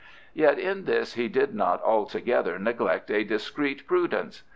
Yet in this he did not altogether neglect a discreet prudence.